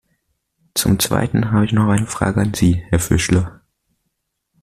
Zum zweiten habe ich noch eine Frage an Sie, Herr Fischler.